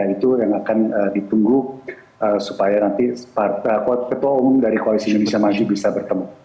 itu yang akan ditunggu supaya nanti ketua umum dari koalisi indonesia maju bisa bertemu